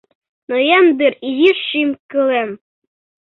Ноен дыр изиш шÿм-кылем.